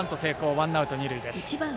ワンアウト、二塁です。